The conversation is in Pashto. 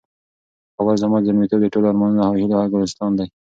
کابل زما د زلمیتوب د ټولو ارمانونو او هیلو ګلستان دی.